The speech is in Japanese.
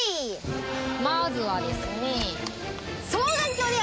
まずはですね。